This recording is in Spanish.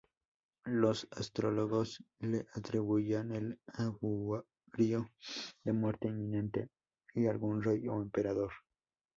Los astrólogos le atribuían el augurio de muerte inminente de algún rey o emperador.